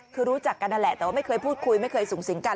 คือรู้จักกันนั่นแหละแต่ว่าไม่เคยพูดคุยไม่เคยสูงสิงกัน